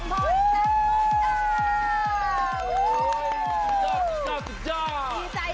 ขอบคุณค่ะขอบคุณค่ะขอบคุณค่ะ